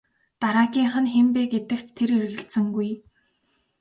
Дараагийнх нь хэн бэ гэдэгт тэр эргэлзсэнгүй.